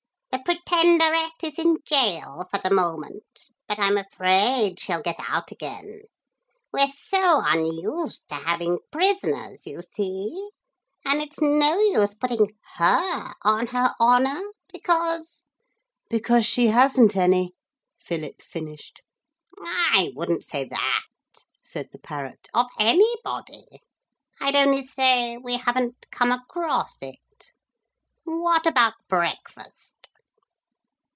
The Pretenderette is in gaol for the moment, but I'm afraid she'll get out again; we're so unused to having prisoners, you see. And it's no use putting her on her honour, because ' 'Because she hasn't any,' Philip finished. 'I wouldn't say that,' said the parrot, 'of anybody. I'd only say we haven't come across it. What about breakfast?'